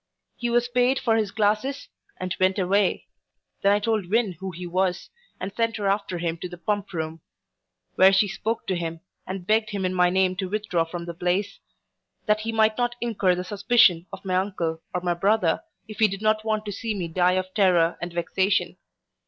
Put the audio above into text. He was payed for his glasses, and went away. Then I told Win who he was, and sent her after him to the Pump room; where she spoke to him, and begged him in my name to withdraw from the place, that he might not incur the suspicion of my uncle or my brother, if he did not want to see me die of terror and vexation.